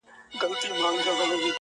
دريم ځل هم راځم له تا سره نکاح کومه,